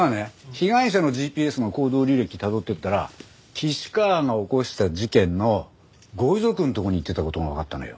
被害者のＧＰＳの行動履歴たどっていったら岸川が起こした事件のご遺族のとこに行ってた事がわかったのよ。